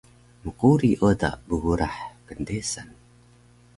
mquri oda bgurah kndesan